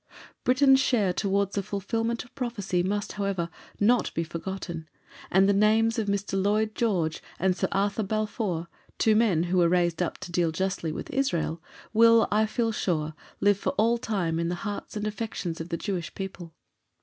Britain's share towards the fulfilment of prophecy must, however, not be forgotten, and the names of Mr. Lloyd George and Sir Arthur Balfour, two men who were raised up to deal justly with Israel, will, I feel sure, live for all time in the hearts and affections of the Jewish people.